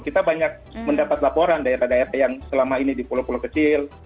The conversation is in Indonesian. kita banyak mendapat laporan daerah daerah yang selama ini di pulau pulau kecil